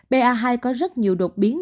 ba hai có rất nhiều đột biến